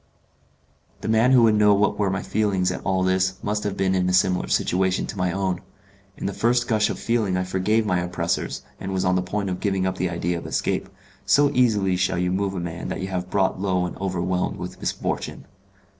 The man who would know what were my feelings at all this must have been in a similar situation to my own. In the first gush of feeling I forgave my oppressors, and was on the point of giving up the idea of escape; so easily shall you move a man that you have brought low and overwhelmed with misfortune.